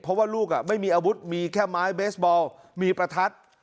เพราะว่าลูกไม่มีอาวุธมีแค่ไม้เบสบอลมีประทัด